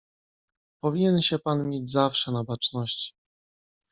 "Powinien się pan mieć zawsze na baczności."